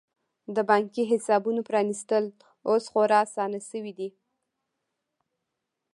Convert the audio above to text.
د بانکي حسابونو پرانیستل اوس خورا اسانه شوي دي.